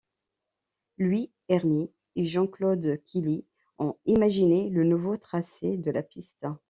Louis Erny et Jean-Claude Killy ont imaginé le nouveau tracé de la piste.